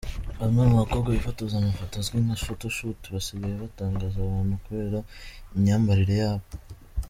Bamwe mu bakobwa bifotoza amafoto azwi nka Photoshoot basigaye batangaza abantu kubera imyambarire yabo .